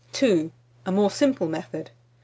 A More Simple Method.